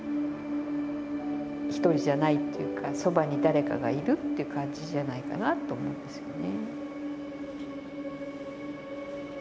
ひとりじゃないっていうかそばに誰かがいるって感じじゃないかなと思うんですよね。